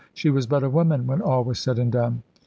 She was but a woman when all was said and done.